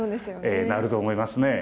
ええなると思いますね。